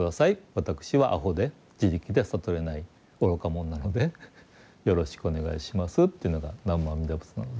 私はアホで自力で悟れない愚か者なのでよろしくお願いしますというのが南無阿弥陀仏なので。